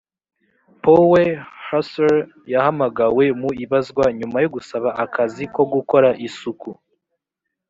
poe hser yahamagawe mu ibazwa nyuma yo gusaba akazi ko gukora isuku